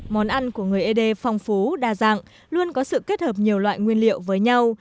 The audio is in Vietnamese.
món ăn của người ế đê phong phú đa dạng luôn có sự kết hợp nhiều loại nguyên liệu với nhau